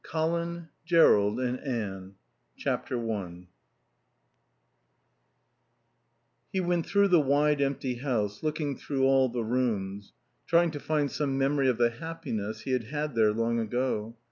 XII COLIN, JERROLD, AND ANNE i He went through the wide empty house, looking through all the rooms, trying to find some memory of the happiness he had had there long ago.